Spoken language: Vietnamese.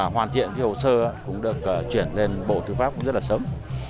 hoàn thiện cái hồ sơ cũng được chuyển lên bộ tư pháp cũng rất là sớm